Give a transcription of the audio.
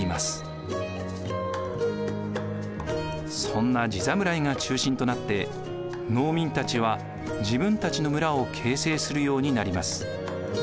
そんな地侍が中心となって農民たちは自分たちの村を形成するようになります。